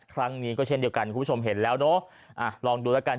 ครั้งนี้ก็เช่นเดียวกันคุณผู้ชมเห็นแล้วเนอะอ่ะลองดูแล้วกัน